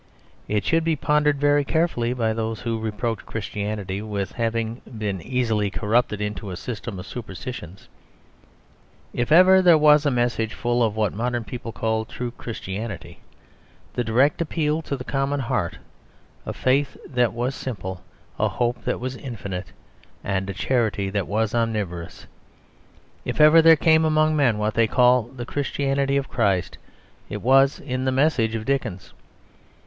It should be pondered very carefully by those who reproach Christianity with having been easily corrupted into a system of superstitions. If ever there was a message full of what modern people call true Christianity, the direct appeal to the common heart, a faith that was simple, a hope that was infinite, and a charity that was omnivorous, if ever there came among men what they call the Christianity of Christ, it was in the message of Dickens.